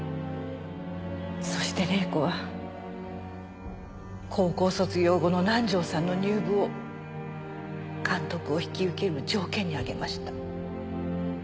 そして麗子は高校卒業後の南条さんの入部を監督を引き受ける条件に挙げました。